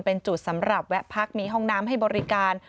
เป็นจุดสำหรับแวะพักมีห้องน้ำให้บริการ